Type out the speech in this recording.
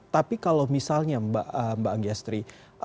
tapi kalau misalnya mbak anggiastri